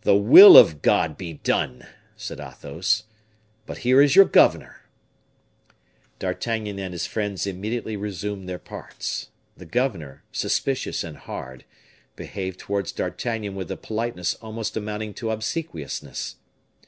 "The will of God be done!" said Athos, "but here is your governor." D'Artagnan and his friends immediately resumed their parts. The governor, suspicious and hard, behaved towards D'Artagnan with a politeness almost amounting to obsequiousness.